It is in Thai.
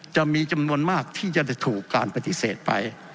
จะมีจำนวนมากที่จะถูกการปฏิเสธไป